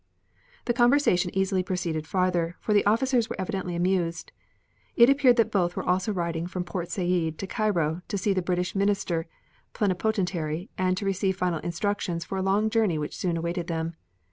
The conversation easily proceeded farther, for the officers were evidently amused. It appeared that both were also riding from Port Said to Cairo to see the British minister plenipotentiary and to receive final instructions for a long journey which soon awaited them.